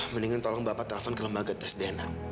mendingan tolong bapak telepon ke lembaga tes dna